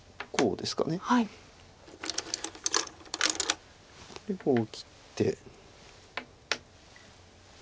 でこう切って。